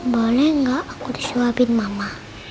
boleh nggak aku disuapin mama